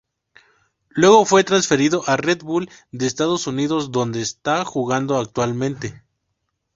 Luego fue transferido a Red Bull de Estados Unidos donde está jugando actualmente.